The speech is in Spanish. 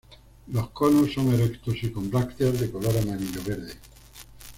Los conos son erectos y con brácteas de color amarillo-verde.